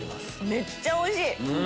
・めっちゃおいしい！